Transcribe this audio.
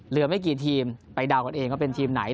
เหลือไม่กี่ทีมไปเดากันเองว่าเป็นทีมไหน